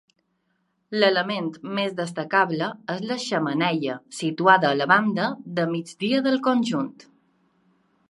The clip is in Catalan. L'element més destacable és la xemeneia, situada a la banda de migdia del conjunt.